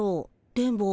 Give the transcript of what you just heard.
電ボ。